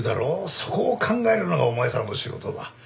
そこを考えるのがお前さんの仕事だ。